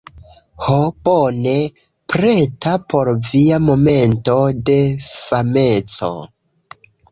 Ho bone... preta por via momento de fameco